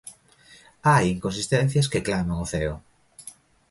Hai inconsistencias que claman ao ceo.